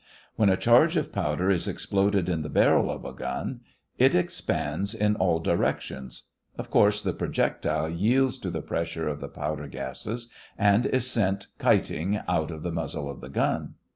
When a charge of powder is exploded in the barrel of a gun, it expands in all directions. Of course, the projectile yields to the pressure of the powder gases and is sent kiting out of the muzzle of the gun.